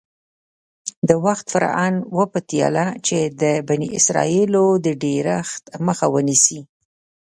د وخت فرعون وپتېیله چې د بني اسرایلو د ډېرښت مخه ونیسي.